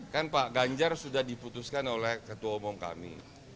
kan pak ganjar sudah diputuskan oleh ketua omong kami